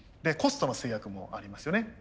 コストの制約もありますよね。